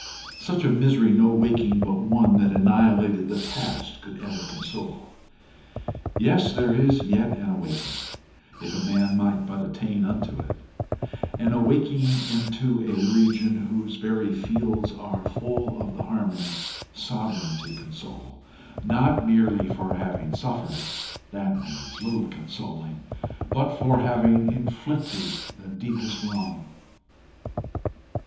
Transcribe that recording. Such a misery no waking but one that annihilated the past could ever console. Yes, there is yet an awaking if a man might but attain unto it an awaking into a region whose very fields are full of the harmony sovereign to console, not merely for having suffered that needs little consoling, but for having inflicted the deepest wrong.